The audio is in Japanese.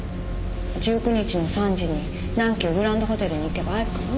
１９日の３時に南急グランドホテルに行けば会えるからね。